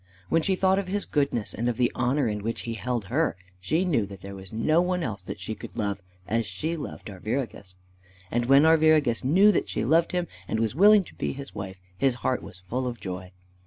When she thought of his goodness and of the honor in which he held her, she knew that there was no one else that she could love as she loved Arviragus. And when Arviragus knew that she loved him and was willing to be his wife, his heart was full of joy.